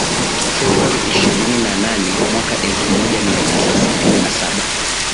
Februari ishirini na nane mwaka elfumoja miatisa sitini na Saba